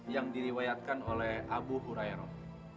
yang diriwayatkan oleh abu hurairah